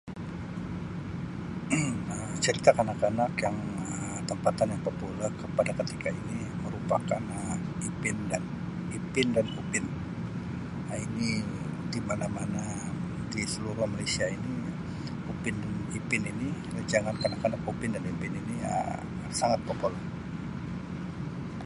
Um Cerita kanak-kanak yang Um tempatan yang popular kepada ketika ini merupakan Um Ipin dan Ipin dan Upin Um ini di mana-mana di seluruh Malaysia ini Upin dan Ipin ini rancangan kanak-kanak Upin dan Ipin ini Um sangat popolar.